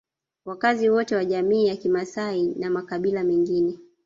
Wakazi wote wa jamii ya kimasai na makabila mengine